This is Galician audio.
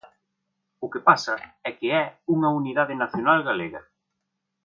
O que pasa é que é unha unidade nacional galega.